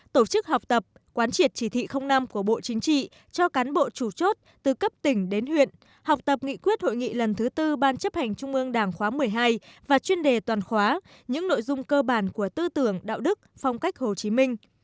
tổ chức học tập quán triệt chỉ thị năm của bộ chính trị cho cán bộ chủ chốt từ cấp tỉnh đến huyện học tập nghị quyết hội nghị lần thứ tư ban chấp hành trung ương đảng khóa một mươi hai và chuyên đề toàn khóa những nội dung cơ bản của tư tưởng đạo đức phong cách hồ chí minh